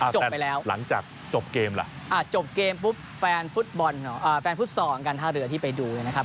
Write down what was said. จบไปแล้วท่านหลังจากสองที่ไปดู